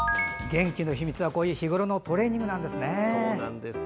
元気の秘密はこういう日ごろのトレーニングなんですね。